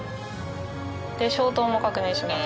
消灯も確認します。